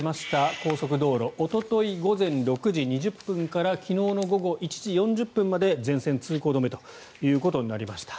高速道路おととい午前６時２０分から昨日の午後１時４０分まで全線通行止めとなりました。